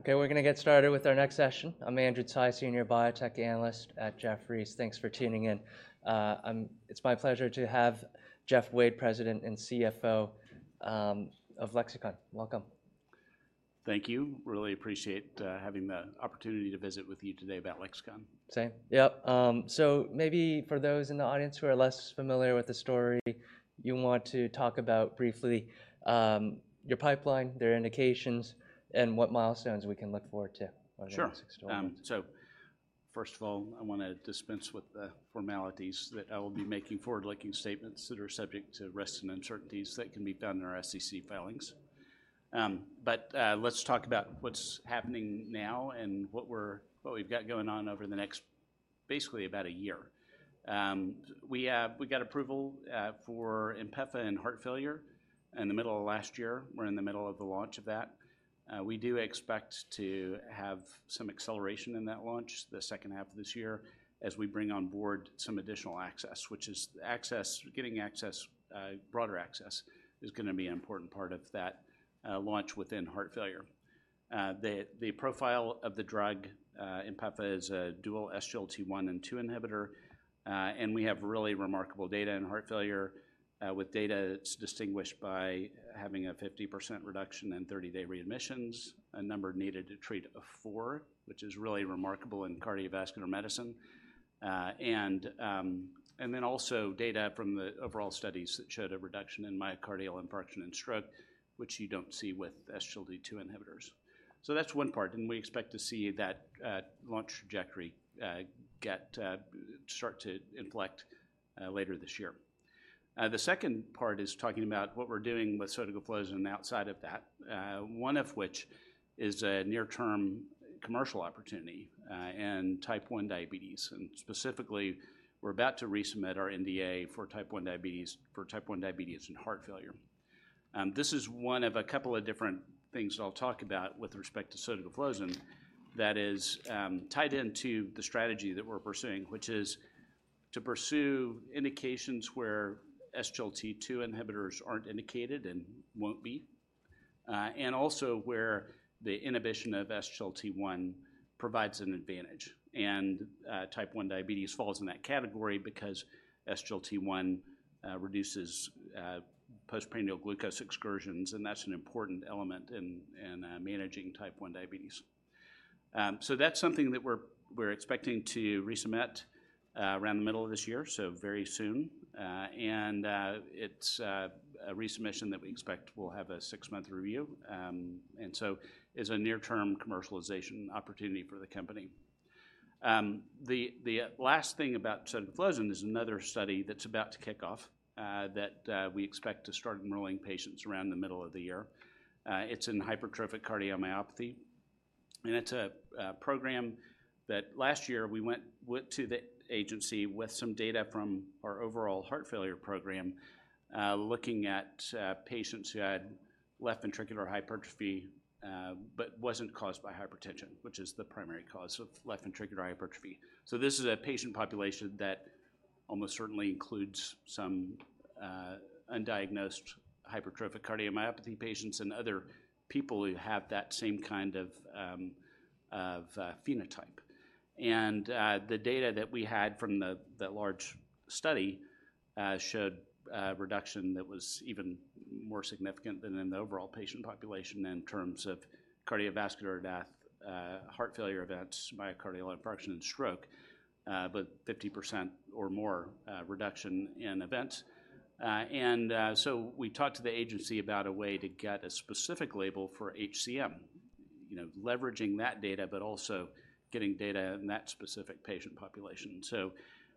Okay, we're gonna get started with our next session. I'm Andrew Tsai, senior biotech analyst at Jefferies. Thanks for tuning in. It's my pleasure to have Jeff Wade, President and CFO, of Lexicon. Welcome. Thank you. Really appreciate having the opportunity to visit with you today about Lexicon. Same. Yep. So maybe for those in the audience who are less familiar with the story, you want to talk about briefly, your pipeline, their indications, and what milestones we can look forward to? Sure. What are the next ones? So first of all, I wanna dispense with the formalities, that I will be making forward-looking statements that are subject to risks and uncertainties that can be found in our SEC filings. But let's talk about what's happening now and what we've got going on over the next, basically, about a year. We got approval for INPEFA in heart failure in the middle of last year. We're in the middle of the launch of that. We do expect to have some acceleration in that launch the second half of this year as we bring on board some additional access, which is getting broader access, is gonna be an important part of that launch within heart failure. The profile of the drug, INPEFA, is a dual SGLT1 and SGLT2 inhibitor, and we have really remarkable data in heart failure, with data that's distinguished by having a 50% reduction in 30-day readmissions, a number needed to treat of four, which is really remarkable in cardiovascular medicine. And then also data from the overall studies that showed a reduction in myocardial infarction and stroke, which you don't see with SGLT2 inhibitors. So that's one part, and we expect to see that launch trajectory start to inflect later this year. The second part is talking about what we're doing with sotagliflozin outside of that, one of which is a near-term commercial opportunity in Type 1 diabetes. Specifically, we're about to resubmit our NDA for Type 1 diabetes and heart failure. This is one of a couple of different things I'll talk about with respect to sotagliflozin that is tied into the strategy that we're pursuing, which is to pursue indications where SGLT2 inhibitors aren't indicated and won't be, and also where the inhibition of SGLT1 provides an advantage. Type 1 diabetes falls in that category because SGLT1 reduces postprandial glucose excursions, and that's an important element in managing Type 1 diabetes. So that's something that we're expecting to resubmit around the middle of this year, so very soon. And it's a resubmission that we expect will have a six-month review, and so is a near-term commercialization opportunity for the company. The last thing about sotagliflozin is another study that's about to kick off that we expect to start enrolling patients around the middle of the year. It's in hypertrophic cardiomyopathy, and it's a program that last year we went with to the agency with some data from our overall heart failure program, looking at patients who had left ventricular hypertrophy, but wasn't caused by hypertension, which is the primary cause of left ventricular hypertrophy. So this is a patient population that almost certainly includes some undiagnosed hypertrophic cardiomyopathy patients and other people who have that same kind of of phenotype. The data that we had from the large study showed a reduction that was even more significant than in the overall patient population in terms of cardiovascular death, heart failure events, myocardial infarction, and stroke, but 50% or more reduction in events. So we talked to the agency about a way to get a specific label for HCM, you know, leveraging that data, but also getting data in that specific patient population. So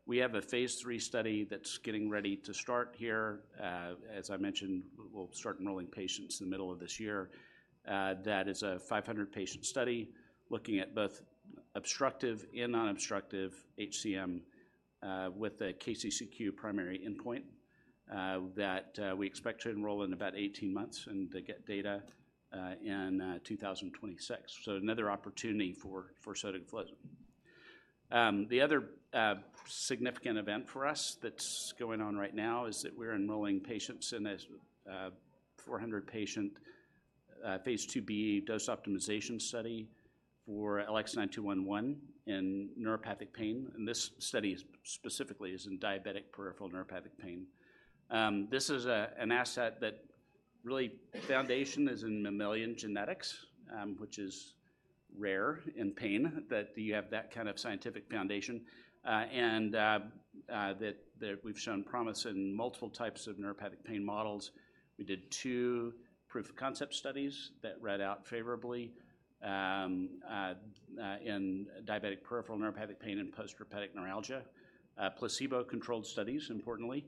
we have a phase III study that's getting ready to start here. As I mentioned, we'll start enrolling patients in the middle of this year. That is a 500-patient study looking at both obstructive and non-obstructive HCM, with a KCCQ primary endpoint, that we expect to enroll in about 18 months and to get data in 2026. So another opportunity for sotagliflozin. The other significant event for us that's going on right now is that we're enrolling patients in this 400-patient phase II-B dose optimization study for LX9211 in neuropathic pain, and this study is specifically in diabetic peripheral neuropathic pain. This is an asset that really foundation is in mammalian genetics, which is rare in pain, that you have that kind of scientific foundation, and that we've shown promise in multiple types of neuropathic pain models. We did two proof-of-concept studies that read out favorably in diabetic peripheral neuropathic pain and postherpetic neuralgia, placebo-controlled studies, importantly.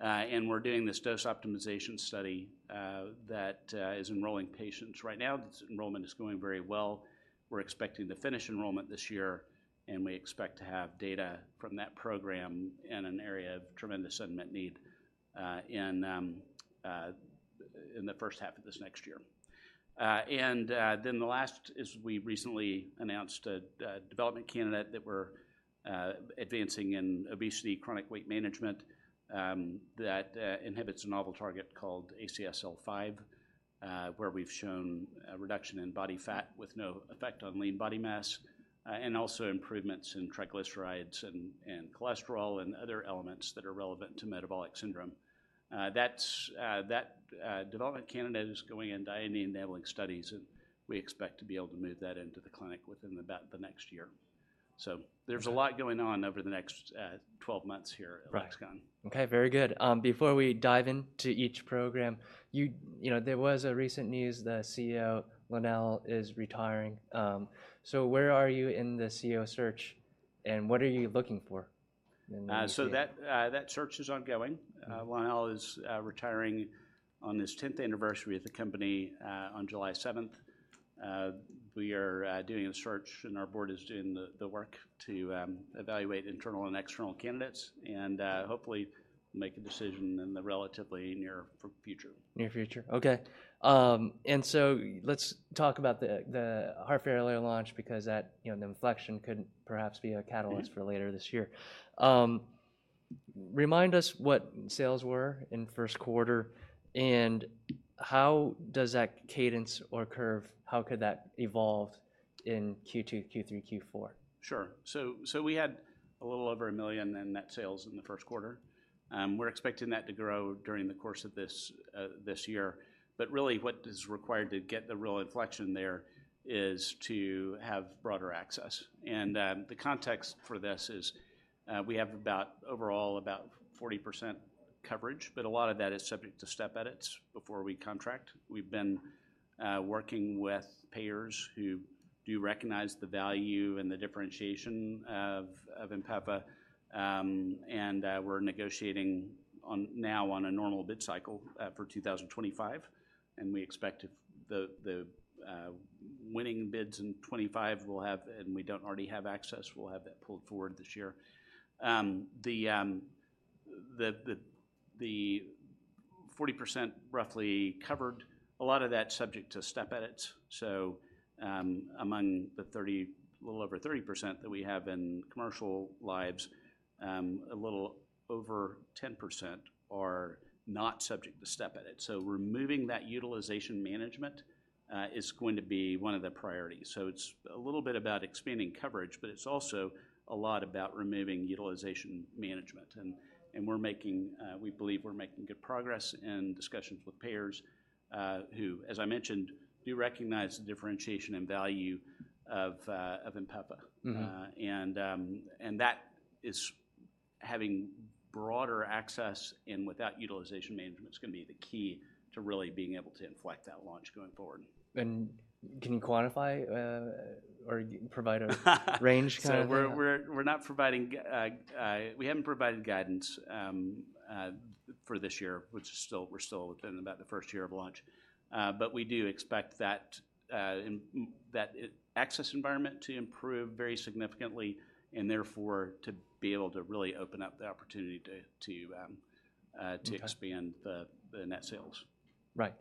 And we're doing this dose optimization study that is enrolling patients right now. This enrollment is going very well. We're expecting to finish enrollment this year, and we expect to have data from that program in an area of tremendous unmet need in the first half of this next year. And then the last is we recently announced a development candidate that we're advancing in obesity, chronic weight management, that inhibits a novel target called ACSL5, where we've shown a reduction in body fat with no effect on lean body mass, and also improvements in triglycerides and cholesterol, and other elements that are relevant to metabolic syndrome. That development candidate is going into IND-enabling studies, and we expect to be able to move that into the clinic within about the next year. So there's a lot going on over the next 12 months here at Lexicon. Right. Okay, very good. Before we dive into each program, you know, there was a recent news that CEO Lonnel is retiring. So where are you in the CEO search, and what are you looking for in the new CEO? So that search is ongoing. Mm-hmm. Lonnel is retiring on his tenth anniversary of the company, on July 7th. We are doing a search, and our board is doing the work to evaluate internal and external candidates, and hopefully, make a decision in the relatively near future. Near future. Okay. And so let's talk about the heart failure launch because that, you know, the inflection could perhaps be a catalyst- for later this year. Remind us what sales were in first quarter, and how does that cadence or curve, how could that evolve in Q2, Q3, Q4? Sure. So we had a little over $1 million in net sales in the first quarter. We're expecting that to grow during the course of this year. But really, what is required to get the real inflection there is to have broader access. And the context for this is we have about overall 40% coverage, but a lot of that is subject to step edits before we contract. We've been working with payers who do recognize the value and the differentiation of INPEFA, and we're negotiating now on a normal bid cycle for 2025, and we expect if the winning bids in 2025 will have, and we don't already have access, we'll have that pulled forward this year. The 40% roughly covered, a lot of that's subject to step edits. So, among the 30, a little over 30% that we have in commercial lives, a little over 10% are not subject to step edits. So removing that utilization management is going to be one of the priorities. So it's a little bit about expanding coverage, but it's also a lot about removing utilization management, and we believe we're making good progress in discussions with payers, who, as I mentioned, do recognize the differentiation and value of INPEFA. Mm-hmm. And that is having broader access and without utilization management is gonna be the key to really being able to inflect that launch going forward. Can you quantify or provide range kind of? So we're not providing guidance. We haven't provided guidance for this year, which is still, we're still in about the first year of launch. But we do expect that that access environment to improve very significantly and therefore to be able to really open up the opportunity to expand the net sales. Right.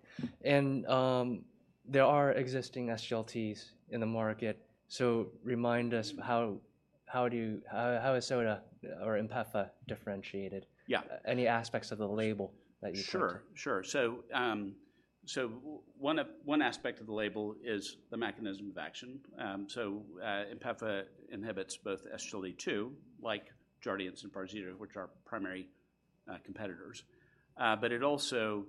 There are existing SGLTs in the market, so remind us how Sota or INPEFA is differentiated? Yeah. Any aspects of the label that you can? Sure, sure. So, one aspect of the label is the mechanism of action. INPEFA inhibits both SGLT2, like Jardiance and Farxiga, which are primary competitors, but it also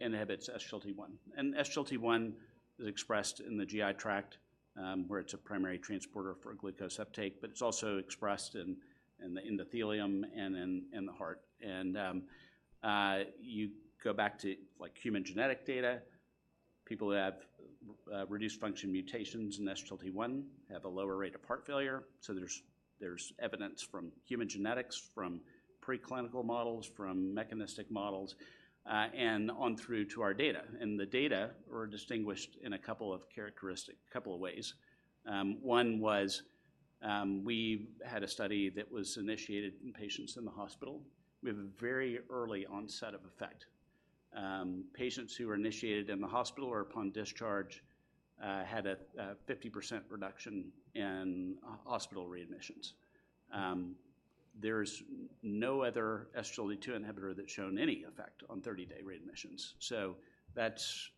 inhibits SGLT1. And SGLT1 is expressed in the GI tract, where it's a primary transporter for glucose uptake, but it's also expressed in the endothelium and in the heart. You go back to, like, human genetic data, people who have reduced function mutations in SGLT1 have a lower rate of heart failure. So there's evidence from human genetics, from preclinical models, from mechanistic models, and on through to our data, and the data are distinguished in a couple of characteristic, couple of ways. One was we had a study that was initiated in patients in the hospital. We have a very early onset of effect. Patients who were initiated in the hospital or upon discharge had a 50% reduction in hospital readmissions. There's no other SGLT2 inhibitor that's shown any effect on 30-day readmissions, so that's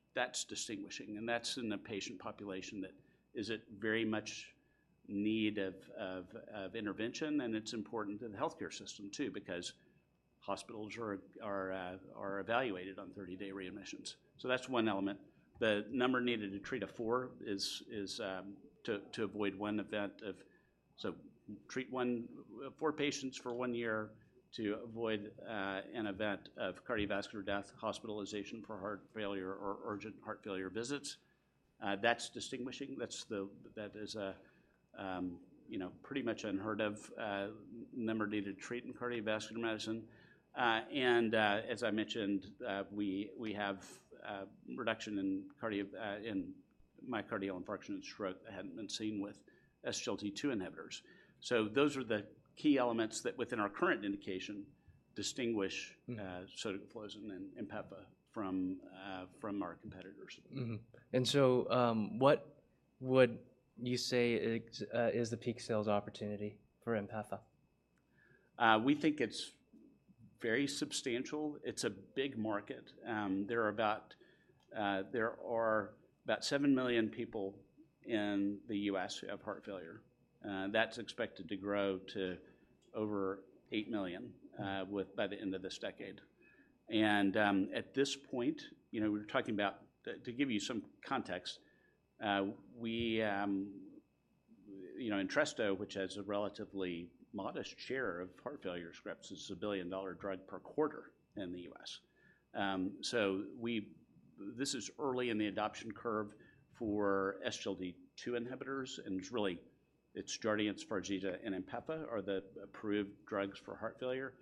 distinguishing, and that's in a patient population that is in very much need of intervention, and it's important to the healthcare system too, because hospitals are evaluated on 30-day readmissions. So that's one element. The number needed to treat of four is to avoid one event of... So treat four patients for one year to avoid an event of cardiovascular death, hospitalization for heart failure, or urgent heart failure visits. That's distinguishing. That's the, that is a you know, pretty much unheard of number needed to treat in cardiovascular medicine. As I mentioned, we have reduction in cardio, in myocardial infarction and stroke hadn't been seen with SGLT2 inhibitors. So those are the key elements that, within our current indication, distinguish- Mm-hmm... sotagliflozin and INPEFA from our competitors. Mm-hmm. What would you say is the peak sales opportunity for INPEFA? We think it's very substantial. It's a big market. There are about 7 million people in the U.S. who have heart failure. That's expected to grow to over 8 million by the end of this decade. At this point, you know, we're talking about. To give you some context, you know, Entresto, which has a relatively modest share of heart failure scripts, is a billion-dollar drug per quarter in the U.S. So this is early in the adoption curve for SGLT2 inhibitors, and it's really, it's Jardiance, Farxiga, and INPEFA are the approved drugs for heart failure.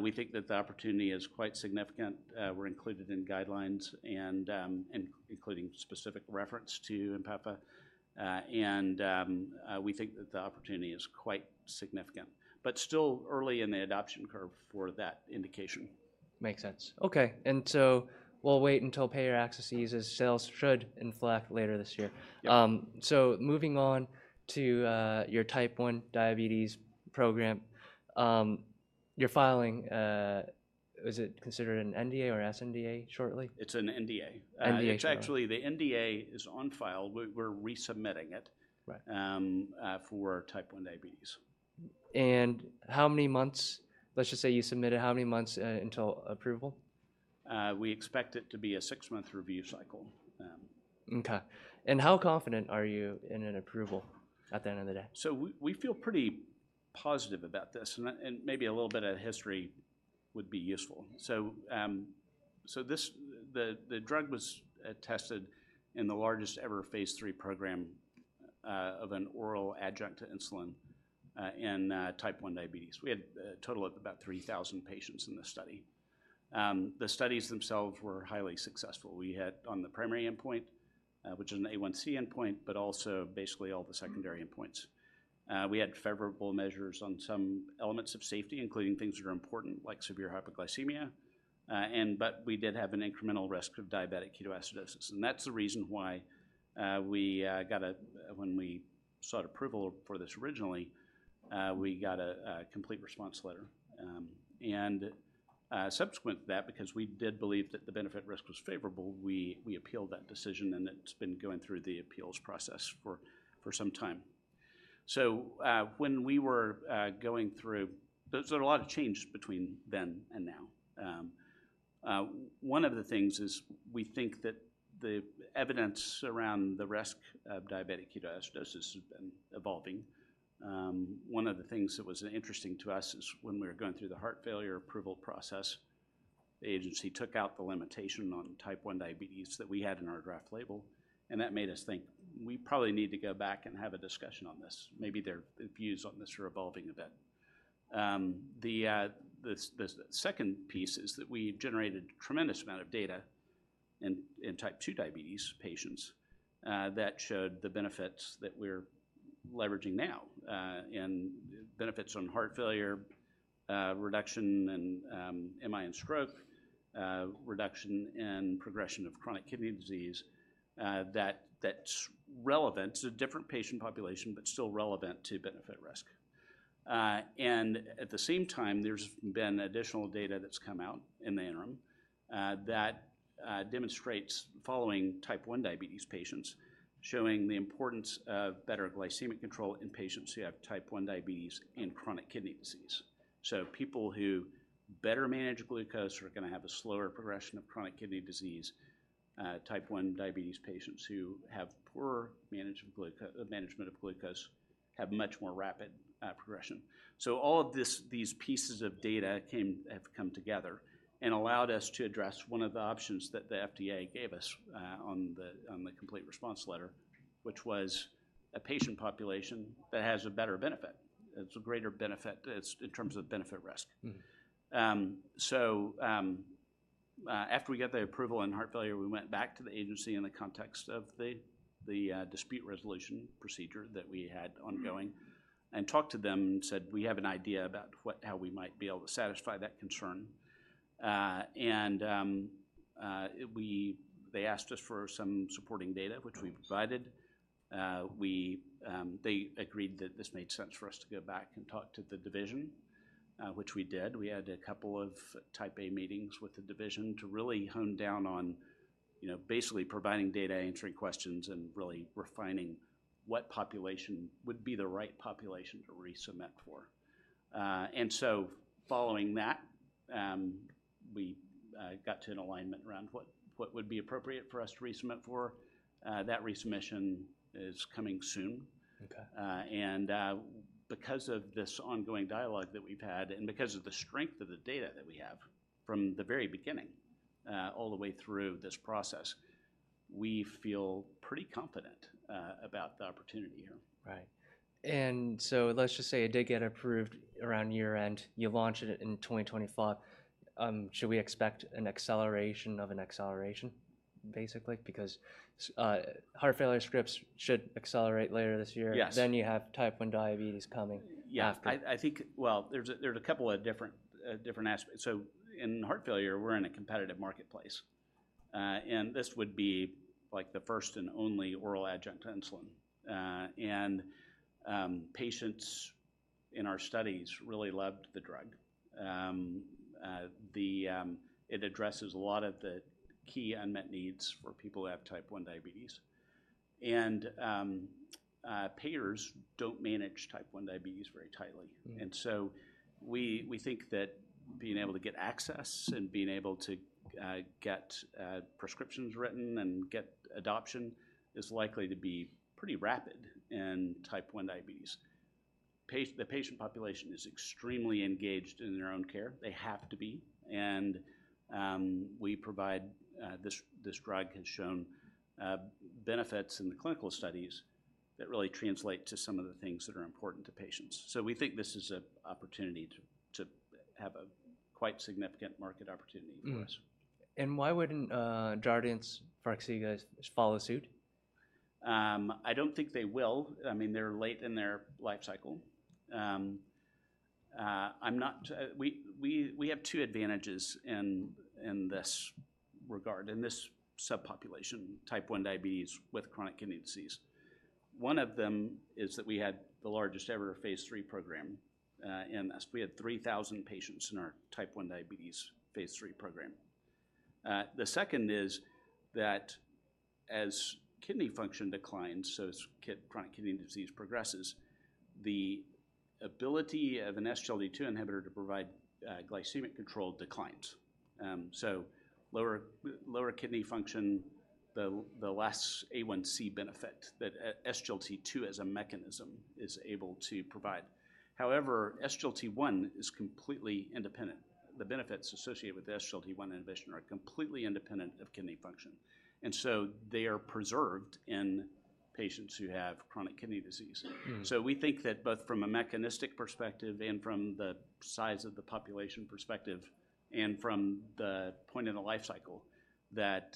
We think that the opportunity is quite significant. We're included in guidelines and including specific reference to INPEFA, and we think that the opportunity is quite significant, but still early in the adoption curve for that indication. Makes sense. Okay, and so we'll wait until payer access eases. Sales should inflect later this year. Yeah. So, moving on to your Type 1 diabetes program, you're filing. Is it considered an NDA or sNDA shortly? It's an NDA. NDA. It's actually, the NDA is on file. We're resubmitting it- Right.... for Type 1 diabetes. How many months... Let's just say you submitted, how many months until approval? We expect it to be a six-month review cycle. Okay. And how confident are you in an approval at the end of the day? So we feel pretty positive about this, and maybe a little bit of history would be useful. So, the drug was tested in the largest ever phase III program of an oral adjunct to insulin in Type 1 diabetes. We had a total of about 3,000 patients in the study. The studies themselves were highly successful. We had, on the primary endpoint, which is an A1C endpoint, but also basically all the secondary endpoints. We had favorable measures on some elements of safety, including things that are important, like severe hypoglycemia. But we did have an incremental risk of diabetic ketoacidosis, and that's the reason why we got a... When we sought approval for this originally, we got a complete response letter. And subsequent to that, because we did believe that the benefit risk was favorable, we appealed that decision, and it's been going through the appeals process for some time. When we were going through, there's been a lot of change between then and now. One of the things is we think that the evidence around the risk of diabetic ketoacidosis has been evolving. One of the things that was interesting to us is when we were going through the heart failure approval process, the agency took out the limitation on Type 1 diabetes that we had in our draft label, and that made us think, "We probably need to go back and have a discussion on this. Maybe their views on this are evolving a bit." The second piece is that we generated a tremendous amount of data in Type 2 diabetes patients that showed the benefits that we're leveraging now, and benefits on heart failure, reduction in MI and stroke, reduction in progression of chronic kidney disease, that's relevant. It's a different patient population, but still relevant to benefit risk. And at the same time, there's been additional data that's come out in the interim that demonstrates following Type 1 diabetes patients, showing the importance of better glycemic control in patients who have Type 1 diabetes and chronic kidney disease. So people who better manage glucose are gonna have a slower progression of chronic kidney disease. Type 1 diabetes patients who have poorer management of glucose have much more rapid progression. So all of these pieces of data have come together and allowed us to address one of the options that the FDA gave us on the complete response letter, which was a patient population that has a better benefit. It's a greater benefit, it's in terms of benefit risk. Mm-hmm. So, after we got the approval in heart failure, we went back to the agency in the context of the dispute resolution procedure that we had ongoing and talked to them and said, "We have an idea about what- how we might be able to satisfy that concern." They asked us for some supporting data, which we provided. They agreed that this made sense for us to go back and talk to the division, which we did. We had a couple of Type A meetings with the division to really hone in on, you know, basically providing data, answering questions, and really refining what population would be the right population to resubmit for. Following that, we got to an alignment around what would be appropriate for us to resubmit for. That resubmission is coming soon. Okay. Because of this ongoing dialogue that we've had, and because of the strength of the data that we have from the very beginning, all the way through this process, we feel pretty confident about the opportunity here. Right. And so let's just say it did get approved around year-end. You launch it in 2025. Should we expect an acceleration of an acceleration, basically? Because heart failure scripts should accelerate later this year. Yes. Then you have Type 1 diabetes coming after. Yeah, I think. Well, there's a couple of different aspects. So in heart failure, we're in a competitive marketplace, and this would be, like, the first and only oral adjunct insulin. And patients in our studies really loved the drug. It addresses a lot of the key unmet needs for people who have Type 1 diabetes. And payers don't manage Type 1 diabetes very tightly. Mm. We think that being able to get access and being able to get prescriptions written and get adoption is likely to be pretty rapid in Type 1 diabetes. The patient population is extremely engaged in their own care. They have to be. And we provide this drug has shown benefits in the clinical studies that really translate to some of the things that are important to patients. So we think this is an opportunity to have a quite significant market opportunity for us. And why wouldn't Jardiance, Farxiga guys just follow suit? I don't think they will. I mean, they're late in their life cycle. We have two advantages in this regard, in this subpopulation, Type 1 diabetes with chronic kidney disease. One of them is that we had the largest-ever phase III program in this. We had 3,000 patients in our Type 1 diabetes phase III program. The second is that as kidney function declines, so as chronic kidney disease progresses, the ability of an SGLT2 inhibitor to provide glycemic control declines. So lower kidney function, the less A1C benefit that a SGLT2 as a mechanism is able to provide. However, SGLT1 is completely independent. The benefits associated with the SGLT1 inhibition are completely independent of kidney function, and so they are preserved in patients who have chronic kidney disease. Mm. So we think that both from a mechanistic perspective and from the size of the population perspective and from the point in the life cycle, that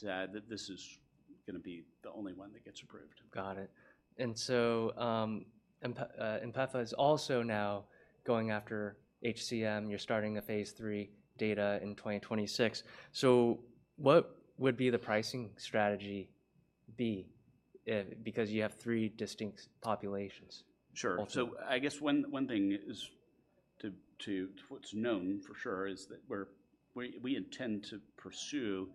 this is gonna be the only one that gets approved. Got it. And so, INPEFA is also now going after HCM. You're starting the phase III data in 2026. So what would be the pricing strategy be, because you have three distinct populations also? Sure. So I guess one thing is, what's known for sure is that we intend to pursue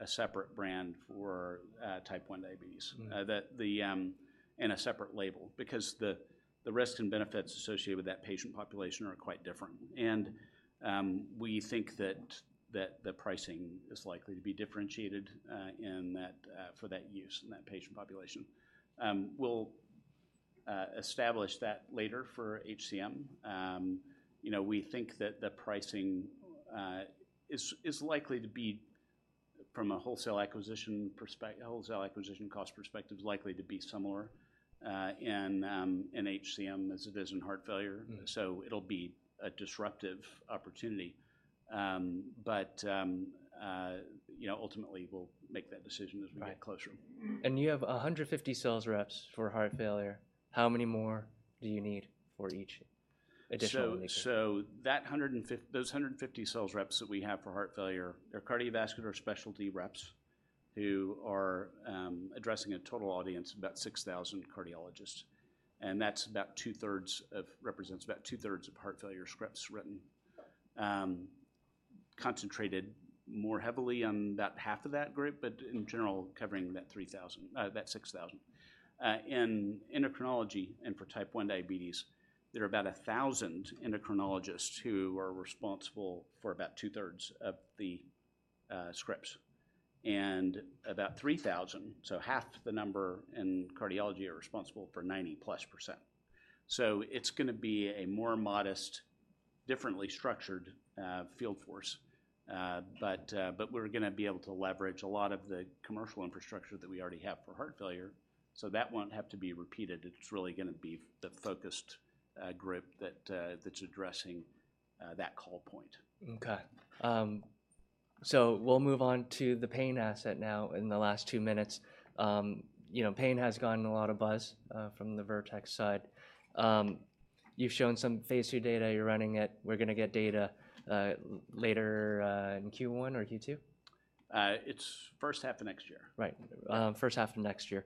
a separate brand for Type 1 diabetes- Mm.... that and a separate label because the risks and benefits associated with that patient population are quite different. And, we think that the pricing is likely to be differentiated in that for that use in that patient population. We'll establish that later for HCM. You know, we think that the pricing is likely to be from a wholesale acquisition cost perspective is likely to be similar in HCM as it is in heart failure. Mm. So it'll be a disruptive opportunity. But, you know, ultimately, we'll make that decision as we get closer. Right. And you have 150 sales reps for heart failure. How many more do you need for each additional indication? So, those 150 sales reps that we have for heart failure, they're cardiovascular specialty reps who are addressing a total audience of about 6,000 cardiologists, and that represents about two-thirds of heart failure scripts written. Concentrated more heavily on about half of that group, but in general, covering that 3,000, that 6,000. In endocrinology and for Type 1 diabetes, there are about 1,000 endocrinologists who are responsible for about two-thirds of the scripts, and about 3,000, so half the number in cardiology, are responsible for 90%+. So it's gonna be a more modest, differently structured, field force. But we're gonna be able to leverage a lot of the commercial infrastructure that we already have for heart failure, so that won't have to be repeated. It's really gonna be the focused group that's addressing that call point. Okay. So we'll move on to the pain asset now in the last two minutes. You know, pain has gotten a lot of buzz from the Vertex side. You've shown some phase II data. You're running it. We're gonna get data later in Q1 or Q2? It's first half of next year. Right, first half of next year.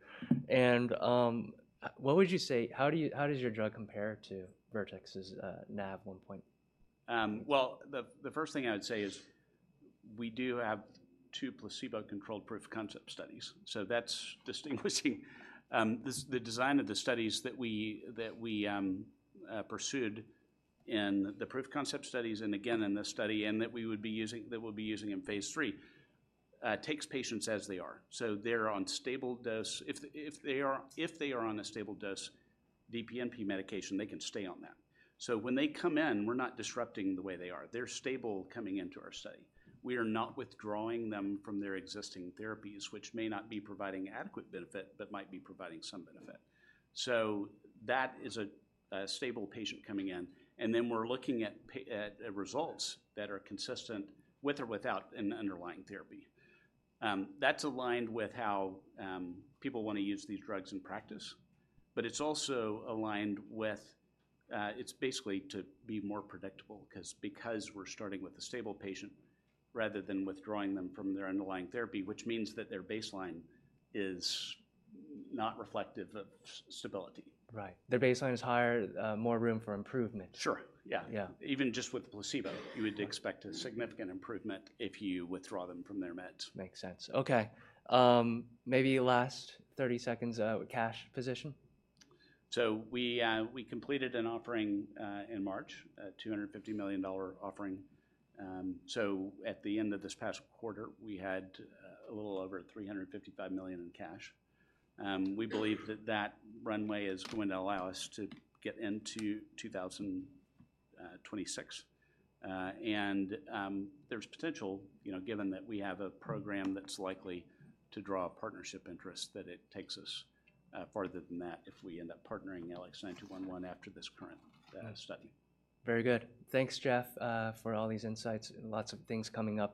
What would you say... How does your drug compare to Vertex's NaV1.8? Well, the first thing I would say is we do have two placebo-controlled proof-of-concept studies, so that's distinguishing. The design of the studies that we pursued in the proof-of-concept studies and again in this study and that we'll be using in phase III takes patients as they are. So they're on stable dose. If they are on a stable dose DPNP medication, they can stay on that. So when they come in, we're not disrupting the way they are. They're stable coming into our study. We are not withdrawing them from their existing therapies, which may not be providing adequate benefit, but might be providing some benefit. So that is a stable patient coming in, and then we're looking at results that are consistent with or without an underlying therapy. That's aligned with how people wanna use these drugs in practice, but it's also aligned with it's basically to be more predictable. 'Cause we're starting with a stable patient rather than withdrawing them from their underlying therapy, which means that their baseline is not reflective of stability. Right. Their baseline is higher, more room for improvement. Sure. Yeah. Yeah. Even just with the placebo, you would expect a significant improvement if you withdraw them from their meds. Makes sense. Okay, maybe last 30 seconds, with cash position. So we completed an offering in March, a $250 million offering. So at the end of this past quarter, we had a little over $355 million in cash. We believe that that runway is going to allow us to get into 2026. And there's potential, you know, given that we have a program that's likely to draw a partnership interest, that it takes us farther than that if we end up partnering LX9211 after this current study. Very good. Thanks, Jeff, for all these insights. Lots of things coming up.